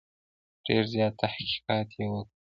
ډېر زیات تحقیقات یې وکړل.